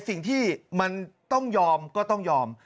สิ่งที่มันต้องยอมก็ต้องยอม